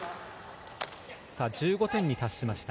１５点に達しました。